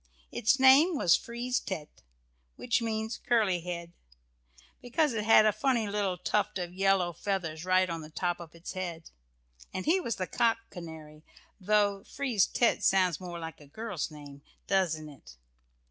Its name was "Frise tête," which means "curly head," because it had a funny little tuft of yellow feathers right on the top of its head, and he was the cock canary, though Frise tête sounds more like a girl's name, doesn't it?